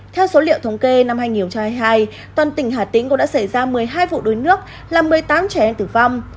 theo số liệu thống kê năm hai nghìn hai mươi hai toàn tỉnh hà tĩnh cũng đã xảy ra một mươi hai vụ đuối nước làm một mươi tám trẻ em tử vong